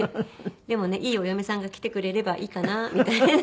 でもねいいお嫁さんが来てくれればいいかなみたいな。